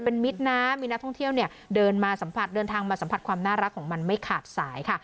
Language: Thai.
เป็นมิตรนะมีนักท่องเที่ยวเดินทางมาสัมผัสความน่ารักของมันไม่ขาดสาย